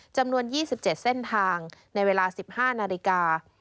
จำนวน๒๗เส้นทางในเวลา๑๕นาฬิกา